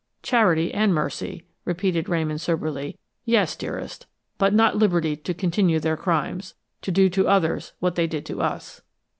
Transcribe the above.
"Charity and mercy," repeated Ramon soberly. "Yes, dearest. But not liberty to continue their crimes to do to others what they did to us!"